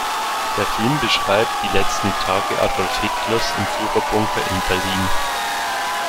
Der Film beschreibt die letzten Tage Adolf Hitlers im Führerbunker in Berlin.